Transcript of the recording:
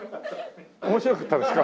面白かったですか？